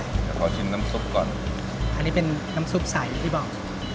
เดี๋ยวขอชิมน้ำซุปก่อนอันนี้เป็นน้ำซุปใสอย่างที่บอก